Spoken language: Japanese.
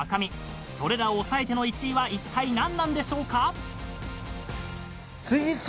［それらを抑えての１位はいったい何なんでしょうか］